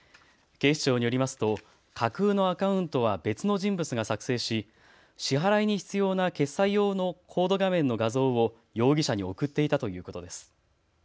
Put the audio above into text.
警視庁によりますと架空のアカウントは別の人物が作成し支払いに必要な決済用のコード画面の画像を容疑者に送っていたということです。